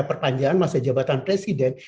perpanjangan masa jabatan presiden